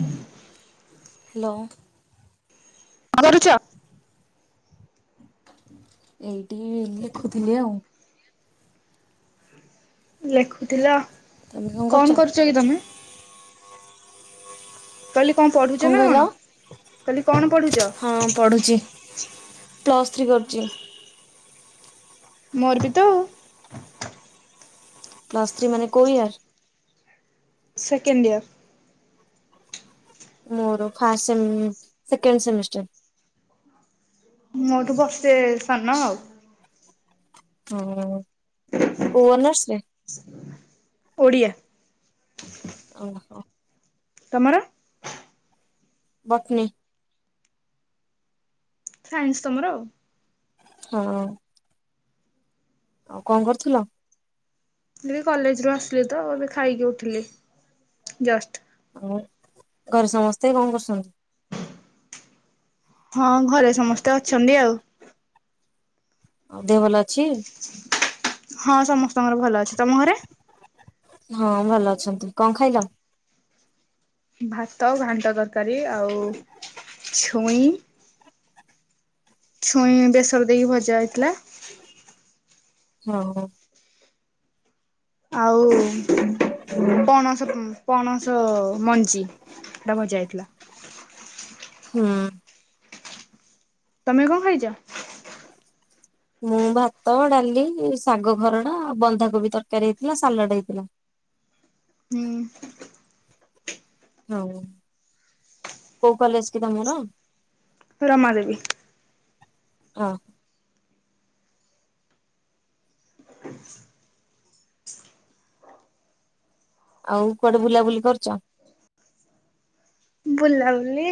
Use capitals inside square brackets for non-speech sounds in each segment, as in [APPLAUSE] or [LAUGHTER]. ଉଁ। ହ୍ୟାଲୋ। କଣ କରୁଚ? ଏଇଠି ଲେଖୁଥିଲି ଆଉ। ଲେଖୁଥିଲ କଣ କରୁଛ କି ତମେ? ମୁଁ କହିଲି କଣ ପଢୁ କଣ କହିଲ ହଁ, ପଢୁଛି। ପ୍ଲସ୍ ଥ୍ରୀ କରୁଛି। ମୋର ବି ତ ଉ। ପ୍ଲସ୍ ଥ୍ରି ମାନେ କଉ ଇୟର? Second year. ମୋର ଫାମ ସେକେଣ୍ଡ ସେମିଷ୍ଟର୍। ମୋଠୁ ବର୍ଷେ ସାନ ଆଉ। ହୁଁ କୋଉ ଅନର୍ସ ରେ? ଓଡ଼ିଆ। ଓହୋ। ତମର? ବଟିନି। ସାଇନ୍ସ ତମର ଆଉ। ହଁ। ଆଉ କଣ କରୁଥିଲ। କଲେଜ୍ ରୁ ଆସିଲି ତ ଏବେ ଖାଇକି ଉଠିଲି ଜଷ୍ଟ। ଆଉ ଘରେ ସମସ୍ତେ କଣ କରୁଛନ୍ତି? ହଁ ଘରେ ସମସ୍ତେ ଅଛନ୍ତି ଆଉ। ଆଉ ଦେହ ଭଲ ଅଛି? ହଁ ସମସ୍ତଙ୍କର ଭଲ ଅଛି ତମ ଘରେ? ହଁ ଭଲ ଅଛନ୍ତି। କଣ ଖାଇଲ? ଭାତ ଘାଣ୍ଟ ତରକାରୀ ଆଉ ଛୁଇଁ। ଛୁଇଁ ବେସର ଦେଇକି ଭଜା ହେଇଥିଲା। ହଉ। ଆଉ ପଣସ ପଣସ ମଞ୍ଜି। ସେଟା ଭଜା ହେଇଥିଲା। ହୁଁ। ତମେ କଣ ଖାଇଛ? ମୁଁ ଭାତ, ଡାଲି, ଶାଗ ଖରଡ଼ା, ବନ୍ଧାକୋବି ତରକାରୀ, ହେଇଥିଲା ସାଲାଡ଼ ହେଇଥିଲା। ହୁଁ। ହଁ କୋଉ କଲେଜ୍ କି ତମର? ରମା ଦେବୀ। ହ। ଆଉ କୁଆଡେ ବୁଲାବୁଲି କରୁଛ? ବୁଲାବୁଲି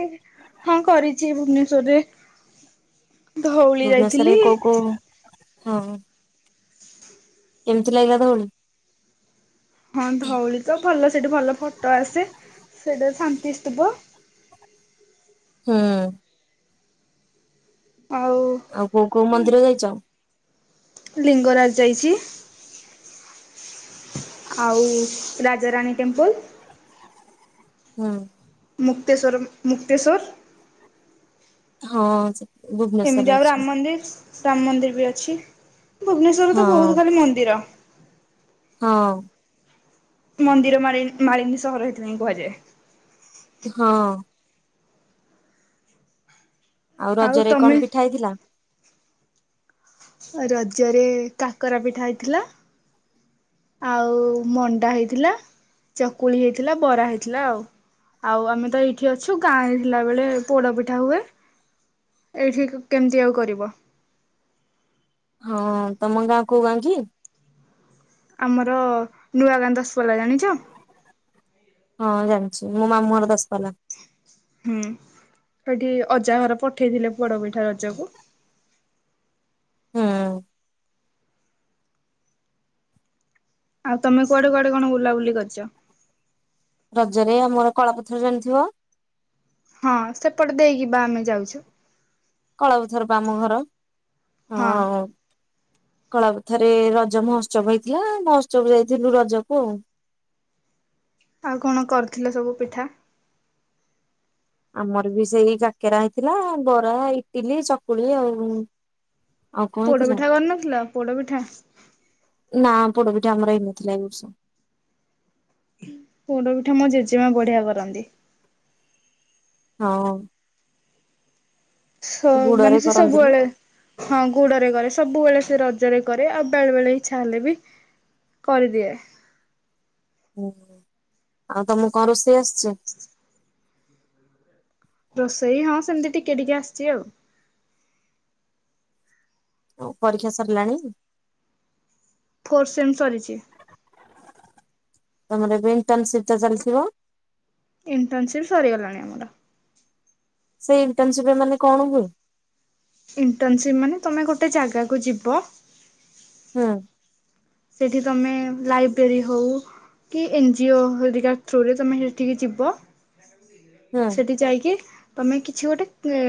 ହଁ କରିଛି ଭୁବନେଶ୍ଵରରେ। ଧଉଳି ଭୁବନେଶ୍ୱରରେ ଯାଇଥିଲି। କୋଉ କୋଉ ହଁ। କେମିତି ଲାଗିଲା ଧଉଳି? ହଁ ଧଉଳି ତ ଭଲ ସେଠି ଭଲ ଫଟୋ ଆସେ ସେଟା ଶାନ୍ତିସ୍ତୁପ। ହୁଁ। ଆଉ ଆଉ କୋଉ କୋଉ ମନ୍ଦିର ଯାଇଛ? ଲିଙ୍ଗରାଜ ଯାଇଛି। ଆଉ ରାଜାରାଣୀ ଟେମ୍ପୁଲ। ହୁଁ। ମୁକ୍ତେଶ୍ୱର ମୁକ୍ତେଶ୍ୱର। ହଁ ସେ ଏମିତି ଭୁବନେଶ୍ଵରରେ ଆଉ ଅଛି। ରାମ ମନ୍ଦିର ରାମ ମନ୍ଦିର ବି ଅଛି ଭୁବନେଶ୍ୱରରେ ତ ହଁ ବହୁତ ଖାଲି ମନ୍ଦିର। ହଁ। ମନ୍ଦିର ମାଳି ମାଳିିନୀ ସହର ସେଥିପାଇଁ କୁହାଯାଏ। ହଁ। ଆଉ ରଜରେ କଣ ପିଠା ହେଇଥିଲା? ରଜରେ କାକରା ପିଠା ହେଇଥିଲା। ଆଉ ମଣ୍ଡା ହେଇଥିଲା, ଚକୁଳି ହେଇଥିଲା, ବରା ହେଇଥିଲା, ଆଉ ଆଉ ଆମେ ତ ଏଇଠି ଅଛୁ ଗାଁରେ ଥିଲାବେେଳେ ପୋଡ଼ପିଠା ହୁଏ। ଏଇଠି କେମିତି ଆଉ କରିବ? ହଁ ତମ ଗାଁ କୋଉ ଗାଁ କି? ଆମର ନୂଆବାନ୍ଧାସପଲା ଜାଣିଛ? ହଁ ଜାଣିଛି ମୋ ମାମୁଁ ଘର ଦଶ ପାଲା। ହୁଁ ସେଠି ଅଜା ଘର ପଠେଇଥିଲେ ପୋଡ ପିଠା ରଜକୁ। ହୁଁ। ଆଉ ତମେ କୁଆଡେ କୁଆଡେ କଣୁ ବୁଲା ବୁଲି କରିଛ? ରଜରେ ଆମର କଳାପଥର ଜାଣିଥିବ? ହଁ ସେପଟେ ଦେଇକିିବା ଆମେ ଯାଉଚୁ। କଳପଥର ବା ଆମ ଘର। ହଁ। କଳା କଥାରେ ରଜ ମହୋତ୍ସବ ହେଇଥିଲା ମହୋତ୍ସବ ଯାଇଥିଲୁ ରଜକୁ ଆଉ। ଆଉ କଣ କରିଥିଲ ସବୁ ପିଠା? ଆମର ବି ସେଇ କାକେରା ହେଇଥିଲା ବରା ଇଟିଲି ଚକୁଳି ଆଉ ଆଉ କଣ ପୋଡ଼ ହେଇଥିଲା ପିଠା କରିନଥିଲ ପୋଡ଼ ପିଠା? ନା ପୋଡପିଠା ଆମର ହେଇନଥିଲା ଏଇ ବର୍ଷ। ପୋଡ ପିଠା ମୋ ଜେଜେମା ବଢିଆ କରନ୍ତି। ହଁ। ସ ଗୁଡରେ ମାନେ ସେ କରନ୍ତିନି ସବୁବେଳେ ହଁ ଗୁଡ଼ ରେ କରେ ସବୁବେଳେ ସେ ରଜରେ କରେ ଆଉ ବେଳେ ବେଳେ ଇଚ୍ଛା ହେଲେ ବି କରିଦିଏ। ହୁଁ ଆଉ ତମ କଣ ରୋଷେଇ ଆସିଚି? ରୋଷେଇ ହଁ ସେମିତି ଟିକେ ଟିକେ ଆସିଚି ଆଉ। ଓ ପରୀକ୍ଷା ସରିଲାଣି? ଫୋର୍ ସେମ୍ ସରିଚି। ତମର ଏବେ ଇଣ୍ଟନସିପ ତ ଚାଲିଥିବ? ଇଣ୍ଟର୍ନସିପ୍ ସରିଗଲାଣି ଆମର। ସେଇ ଇଣ୍ଟର୍ନସିପରେ ମାନେ କଣ ହୁଏ? ଇଣ୍ଟର୍ନସିପ୍ ମାନେ ତମେ ଗୋଟେ ଜାଗାକୁ ଯିବ ହୁଁ। ସେଠି ତମେ ଲାଇବ୍ରେରୀ ହଉ କି ଏନ୍ ଜିଓ ହେଲିକାର୍ ଥ୍ରୁରେ ତୁମେ ସେଠିକି ଯିବ। ହୁଁ ସେଠି ଯାଇକି ତମେ କିଛି ଗୋଟେ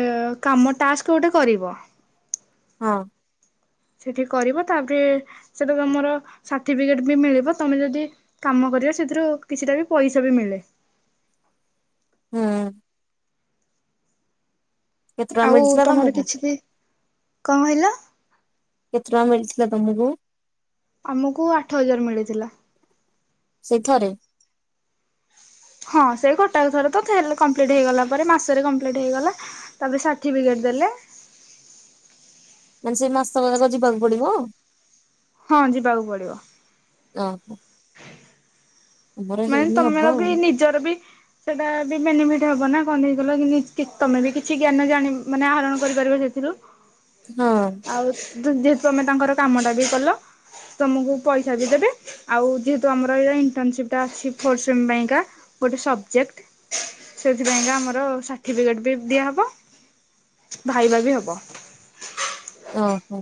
କାମ ଟାସ୍କ ଗୋଟେ କରିବ। ହଁ। ସେଇଠି କରିବ ତାପରେ ସେଟା ତମର ସାର୍ଟିଫିକେଟ ବି ମିଳିବ। ତମେ ଯଦି କାମ କରିବା ସେଥିରୁ କିଛିଟା ବି ପଇସା ବି ମିଳେ। ହୁଁ। କେତେ ଟଙ୍କା ଆଉ ମିଳିଥିଲା ତମର ତମକୁ କିଛି ବି କଣ କହିଲ? କେତ ଟଙ୍କା ମିଳିଥିଲା ତମକୁ? ଆମକୁ ଆଠ ହଜାର ମିଳିଥିଲା। ସେଇ ଥରେ। ହଁ ସେଇ କଟାକ ଥରେ ତଲେ କମ୍ପ୍ଲିଟ ହେଇଗଲା ପରେ ମାସରେ କମ୍ପ୍ଲିଟ ହେଇଗଲା। ତାପରେ ସାର୍ଟିଫିକେଟ ଦେଲେ ମାନେ ସେଇ ମାସ ଯାକ ଯିବାକୁ ପଡିବ? ହଁ ଯିବାକୁ ପଡିବ। ଓ ହୋ। ମାନେ ତମ ହବ ଆଉ ବି ନିଜର ବି ସେଇଟା ବି ବେନିଫିଟ୍ ହବ ନା କଣ ନେଇଗଲା କି କି ସିଷ୍ଟମେଟିକ୍ କିଛି ଜ୍ଞାନ ଜାଣି ମାନେ ଆହରଣ କରିପାରିବ ସେଥିରୁ। ହଁ। ଆଉ ଯେହେତୁ ତମେ ତାଙ୍କର କାମ ଟା ବି କଲ। ତମକୁ ପଇସା ବି ଦେବେ ଆଉ ଯେହେତୁ ଆମର ଏ ଇଣ୍ଟର୍ନସିପ। ତା ସିଫୋର୍ ଶେମ୍ ପାଇଁକା ଗୋଟେ ସବଜେକ୍ଟ। ସେଥିପାଇଁକା ଆମର ସାର୍ଟିଫିକେଟ ବି ଦିଆହବ। ଭାଇଭା ବି ହବ। ଓ ହୋ।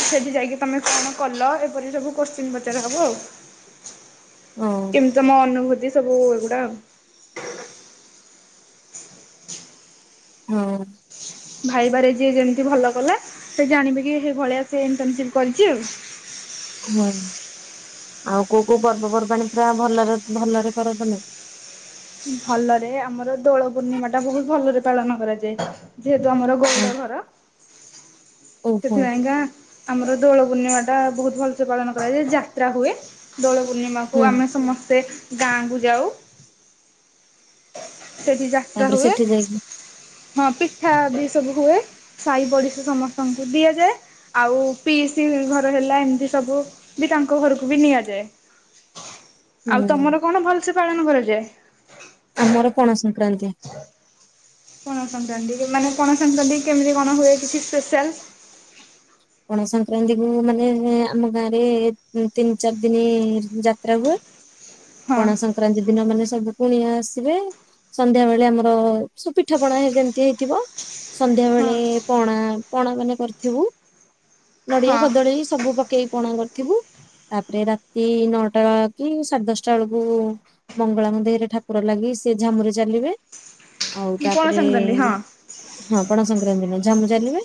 ସେଠି ଯାଇକି ତମେ କଣ କଲ ଏପରି ସବୁ କୋଶ୍ଚିିନ ପଚାର ହବ ଆଉ। କେମିତି ତମ ଅନୁଭୂତି ସବୁ ଏଗୁଡା। ହୁଁ। ଭାଇବାରେ ଯିଏ ଯେମିତି ଭଲ କଲା ସେ ଜାଣିବ କି ସେଇ ଭଳିଆ ସେ ଇଣ୍ଟର୍ନସିପ କରିଛି ଆଉ ହୁଁ ଆଉ କୋଉ କୋଉ ପର୍ବପର୍ବାଣି ପୁରା ଭଲରେ ଭଲରେ କର ତମେ? ଭଲରେ ଆମର ଦୋଳ ପୂର୍ଣ୍ଣିମାଟା ବହୁତ ଭଲରେ ପାଳନ କରାଯାଏ ଯେହେତୁ ଆମର ଗୋ ହୁଁ। ଓହୋ ସେଥିପାଇଁକା ଆମର ଦୋଳ ପୂର୍ଣ୍ଣିମାଟା ବହୁତ ଭଲସେ ପାଳନ କରାଯାଏ ଯାତ୍ରା ହୁଏ। ଦୋଳ ପୂର୍ଣ୍ଣିମାକୁ ହୁଁ ଆମେ ସମସ୍ତେ ଗାଁକୁ ଯାଉ ସେଠି ଯାତ୍ରା ତାପରେ ହୁଏ। ସେଠି ଯାଇକି ହଁ ପିଠା ବି ସବୁ ହୁଏ ସାଇ ପଡିଶା ସମସ୍ତଙ୍କୁ ଦିଆଯାଏ। ଆଉ ପି ସ ଘର ହେଲା ଏମିତି ସବୁ ବି ତାଙ୍କ ଘରକୁ ବି ନିଆଯାଏ। ହା [UNINTELLIGIBLE] ଆଉ ତମର କଣ ଭଲସେ ପାଳନ କରାଯାଏ। ଆମର ପଣା ସଂକ୍ରାନ୍ତି। ହ [UNINTELLIGIBLE] ପଣା ସଂକ୍ରାନ୍ତି ମାନେ ପଣା ସଂକ୍ରାନ୍ତି କେମିତି କଣ ହୁଏ କିଛି ସ୍ପେଶାଲ? ପଣ ସଂକ୍ରାନ୍ତି କୁ ମାନେ ଆମ ଗାଁ ରେ ତିନି ଚାରି ଦିନ ଯାତ୍ରା ହୁଏ। ହଁ ପଣା ସଂକ୍ରକ୍ରାନ୍ତି ଦିନ ମାନେ ସବୁ କୁଣିଆ ଆସିବେ। ସନ୍ଧ୍ୟା ବେଳେ ଆମର ସ ପିଠା ପଣା ଯେମତି ହେଇଥିବ। ସନ୍ଧ୍ୟା ବେଳେ ପଣା ପଣା ମାନେ କରିଥିବୁ। ନଡିଆ ହଁ କଦଳୀ ସବୁ ପକେଇକି ପଣା କରିଥିବୁ। ତାପରେ ରାତି ନଅଟା ବେ କି ସାଢେ ଦଶଟା ବେଳକୁ। ମଙ୍ଗଳାଙ୍କ ଦେହରେ ଠାକୁର ଲାଗି ସେ ଝାମୁରେ ଚାଲିବେ ଆଉ ପଣା ତାପରେ ସଂକ୍ରାନ୍ତି ହଁ। ହଁ ପଣ ସଂକ୍ରାନ୍ତିି ଝାମୁ ଚାଲିବେ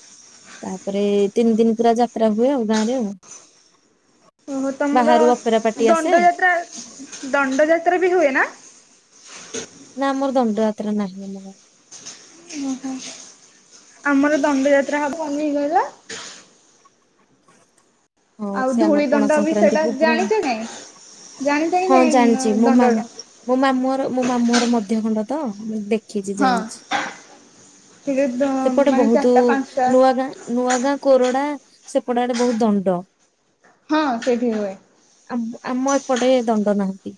ତାପରେ ତିନି ଦିନ ପୁରା ଯାତ୍ରା ହୁଏ ଆଉ ଗାଁରେ। ଓହ ତମର ଅପେରା ପାର୍ଟି ଆସେ ଦଣ୍ଡ ଯାତ୍ରା ଦଣ୍ଡ ଯାତ୍ରା ବି ହୁଏ ନା। ନା ଆମର ଦଣ୍ଡଯାତ୍ରା ନାହିଁ। ଓହୋ ଆମର ଦଣ୍ଡଯାତ୍ରା ହବ ବନ ହେଇଗଲା। ହଁ ଆଉ ସେ ଆମର ଧୂଳି ପଣ ଦଣ୍ଡ ବି ସଂକ୍ରାନ୍ତି ସେଇଟା ପୁବ୍ରାରେ। ଜାଣିଛ କି ନାଇଁ? ଜାଣିଛ କି ହଁ ନାଇଁ ଜାଣିଛି ମୋ ମାଁମ ଦଣ୍ଡଟା? ମୋ ମାମୁଁ ମୋ ମାମୁଁଘର ମଧ୍ୟ ଖଣ୍ଡ ତ ଦେଖ ଦେଖିଛି ହଁ ଜାଣିଛି ସେଠି ସେପଟେ ମାନେ ବହୁତ ଚାରିଟା ପାଞ୍ଚଟା ନୂଆ ଗାଁ ନୂଆ ଗାଁ କୋରଡା ସେପଟ ଆଡେ ବହୁତ ଦଣ୍ଡ। ହଁ ସେଇଠି ହୁଏ। ଆମ ଏପଟେ ଦଣ୍ଡ ନାହାନ୍ତି।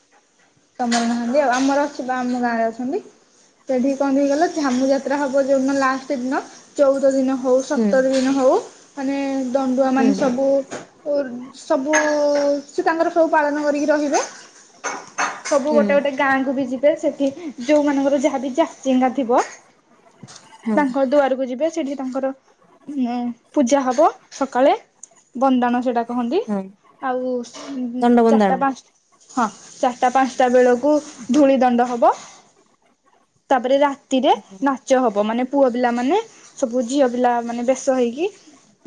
ତମର ନାହାନ୍ତି ଆଉ ଆମର ଅଛି ଆମ ଗାଁରେ ଅଛନ୍ତି। ସେଠିକି କଣ ହେଇଗଲା ଝାମୁ ଯାତ୍ରା ହବ ଯୋଉିନ ଲାଷ୍ଟ ଦିନ ଚଉଦ ଦିନ ହଉ ହୁଁ ସତର ଦିନ ହୋଉ ମାନେ ଦଣ୍ଡୁଆ ହୁଁ ମାନେ ସବୁ ଓ ସବୁ ସେ ତାଙ୍କର ସବୁ ପାଳନ କରିକି ରହିବେ। ସବୁ ହୁଁ ଗୋଟେ ଗୋଟେ ଗାଁ କୁ ବି ଯିବେ ସେଠି ଯୋଉ ମାନଙ୍କର ଯାଚେଙ୍ଗା ଥିବ ହଁ ତାଙ୍କ ଦୁଆରକୁ ଯିବେ ସେଠି ତାଙ୍କର ଉ ପୂଜା ହବ ସକାଳେ ବନ୍ଦାଣ ସେଟା କହନ୍ତି ହଁ ଆଉ ଚାରିଟା ଦଣ୍ଡବନ୍ଦାଣ। ପାଞ୍ଚଟା ହଁ। ଚାରିଟା ପାଞ୍ଚଟା ବେଳକୁ ଧୂଳି ଦଣ୍ଡ ହବ ତାପରେ ରା ରେ ହୁଁ, ନାଚ ହବ ମାନେ ପୁଅ ପିଲା ମାନେ ସବୁ ଝିଅ ପିଲା ମାନେ ବସ ହେଇକି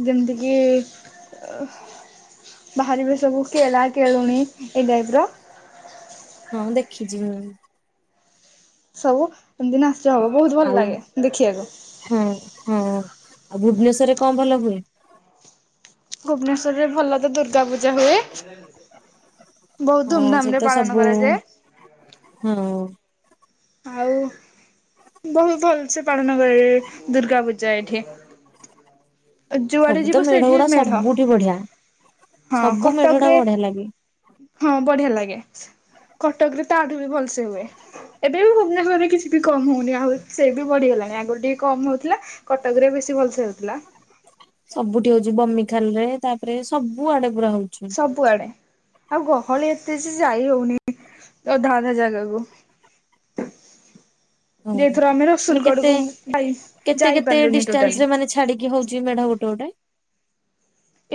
ଯେମିତିକି ବାହାରିବେ ସବୁ କେଳା କେଳୁଣି ଏଇ ଟାଇପ ର ହଁ ଦେଖିଛିଁ ବା ଆଉ। ସବୁ ଏମତି ନାଚ ହବ ବହୁତ ଭଲ ଆଉ ଲାଗେ ଦେଖିବାକୁ। ହଁ ହଁ ଆଉ ଭୁବନେଶ୍ୱରରେ କଣ ଭଲ ହୁଏ। ଭୁବନେଶ୍ର ରେ ଭଲ ତ ଦୁର୍ଗା ପୂଜା ହୁଏ। ବହୁତ ହଁ ଧୁମ ସେଠି ଧାମ ରେ ତ ପାଳନ ସବୁ କରାଯାଏ। ହଁ ଉ। ଆଉ ବହୁତ୍ ଭଲ୍ସେ ପାଳନ ହୁଏ ଦୁର୍ଗା ପୂଜା ଏଠି। ଯୁଆଡେ ସବୁ ତ ଯିବ ମେଢ ସେଇଠି ଗୁଡା ମେଢ ସବୁଠି ବଢିଆ। ହଁ ସବୁ ମେଢ ଟା କଟକରେ ବଢିଆ ଲାଗେ। ହଁ ବଢିଆ ଲାଗେ କଟକ୍ ରେ ତାଠୁ ବି ଭଲ୍ସେ ହୁଏ। ଏବେ ବି ଭୁବନେଶ୍ଵରରେ କିଛି ବି କମ୍ ହଉନି ଆଉ ସେ ବି ବଢିଗଲାଣି ଆଗରୁ ଟିକେ କମ୍ ହଉଥିଲା। କଟକରେ ବେଶୀ ଭଲସେ ହେଉଥିଲା। ସବୁଠି ହଉଚି ବମି ଖାଲ୍ ରେ ତାପରେ ସବୁ ଆଡେ ପୁରା ହଉଛି। ସବୁଆଡେ ଆଉ ଗହଳି ଏତେ ଯେ ଯାଇ ହଉନି ଅଧା ଅଧା ଜାଗାକୁ। ହୁଁ ଏଥର ଆମେ ମାନେ ରସୁଲଗଡକୁ କେତେ ଯାଇ କେତେ କେତେ ଯାଇପାରିଲୁନି ଟୋଟାଲି। ଡିଷ୍ଟାନ୍ସରେ ମାନେ ଛାଡି କି ହଉଛି ମେଢ ଗୋଟେ ଗୋଟେ।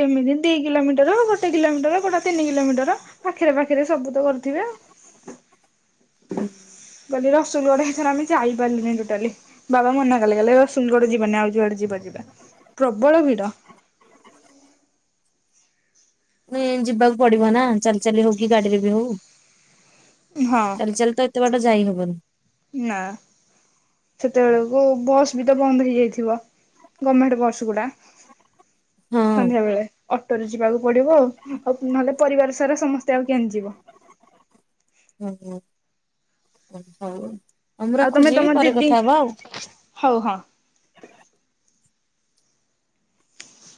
ଏମିତି ଦି କିଲୋମିଟର ଗୋଟେ କିଲୋମିଟର କୋଉଟା ତିନି କିଲୋମିଟର। ପାଖେରେ ପାଖେରେ ସବୁ ତ କରିଥିବେ ଆଉ। ହୁଁ। ମୁଁ କହିଲି ରସୁଲଗଡ଼ ଏଥର ଆମେ ଯାଇପାରିଲୁନି ଟୋଟାଲି। ବାବା ମନା କଲେ କହିଲେ ରସୁଲଗଡ଼ ଯିବାନି ଆଉ ଯୁଆଡେ ଯିବା ଯିବା ପ୍ରବଳ ଭିଡ। ମାନେ ଯିବାକୁ ପଡିବ ନା ଚାଲି ଚାଲି ହଉ କି ଗାଡିରେ ବି ହଉ, ହଁ ଚାଲି ଚାଲି ତ ଏତେ ବାଟ ଯାଇହବନି। ନା। ସେତେବେଳକୁ ବସ୍ ବି ତ ବନ୍ଦ ହେଇଯାଇଥିବ ଗର୍ମେଣ୍ଟ ବସ୍ ଗୁଡା। ହଁ ସନ୍ଧ୍ୟାବେଳେ। ଅଟୋରେ ଯିବାକୁ ପଡିବ ଆଉ, ଆଉ ନହେଲେ ପରିବାର ସାରା ସମସ୍ତେ ଆଉ କେନ୍ତି ଯିବ? ଓ ହୋ ହଉ ଆଉ ମୁଁ ଆଉ ତମେ ରଖୁଛି ତମ ପରେ ଦିଦି କଥା ହବା ଆଉ। ହଉ ହଁ।